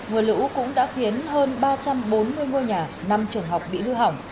mưa lũ cũng đã khiến hơn ba trăm bốn mươi ngôi nhà năm trường học bị hư hỏng